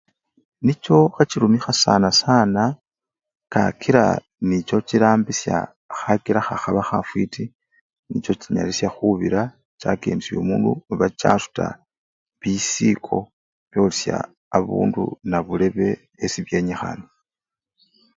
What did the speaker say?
Nicho hechirumiha sanasana kakila nicho chirambisha khakila khakhaba khatiti nicho chinyalisha khubira chakendesha omundu chasuta bissiko byolesha abundu nabulebe esibyenyikhane.